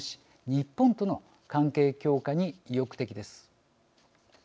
日本との関係強化に意欲的です。